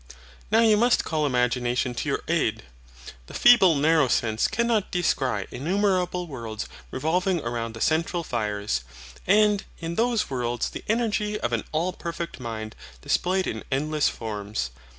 Now you must call imagination to your aid. The feeble narrow sense cannot descry innumerable worlds revolving round the central fires; and in those worlds the energy of an all perfect Mind displayed in endless forms.